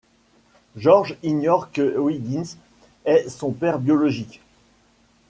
George ignore que Wiggins est son père biologique.